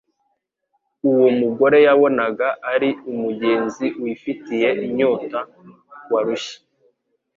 Uwo mugore yabonaga ari umugenzi wifitiye inyota, warushye